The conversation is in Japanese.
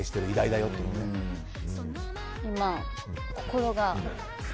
今、心が。